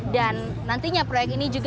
dan nantinya proyek ini juga